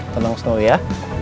tenang snowy ya